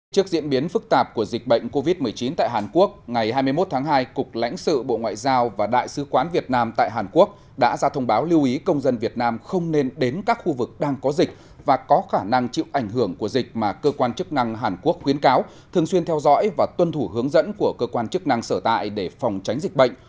trước diễn biến phức tạp của dịch bệnh covid một mươi chín tại hàn quốc ngày hai mươi một tháng hai cục lãnh sự bộ ngoại giao và đại sứ quán việt nam tại hàn quốc đã ra thông báo lưu ý công dân việt nam không nên đến các khu vực đang có dịch và có khả năng chịu ảnh hưởng của dịch mà cơ quan chức năng hàn quốc khuyến cáo thường xuyên theo dõi và tuân thủ hướng dẫn của cơ quan chức năng sở tại để phòng tránh dịch bệnh